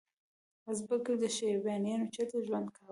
ازبکو شیبانیانو چیرته ژوند کاوه؟